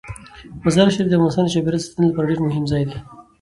مزارشریف د افغانستان د چاپیریال ساتنې لپاره ډیر مهم ځای دی.